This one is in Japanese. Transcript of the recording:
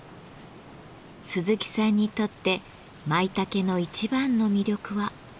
鈴木さんにとってマイタケの一番の魅力は。